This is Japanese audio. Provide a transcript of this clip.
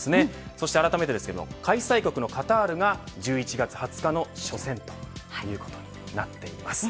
そしてあらためて開催国のカタールが１１月２０日の初戦ということになっています。